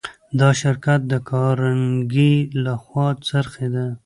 دا شرکت د کارنګي لهخوا خرڅېده